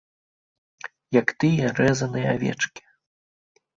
Як тыя рэзаныя авечкі.